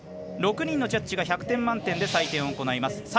６人のジャッジが１００点満点で採点を行います。